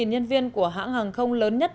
ba mươi nhân viên của hãng hàng không lớn nhất